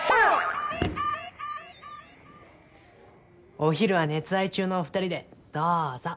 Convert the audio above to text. お昼は熱愛中のお２人でどうぞ。